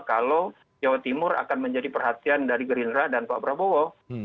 kalau jawa timur akan menjadi perhatian dari gerindra dan pak prabowo